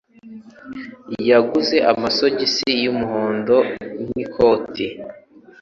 Yaguze amasogisi y’umuhondo nkikoti